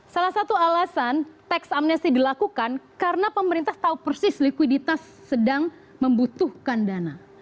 salah satu alasan tax amnesty dilakukan karena pemerintah tahu persis likuiditas sedang membutuhkan dana